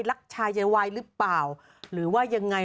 รักชายยายวายหรือเปล่าหรือว่ายังไง